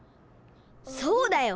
そうだよ！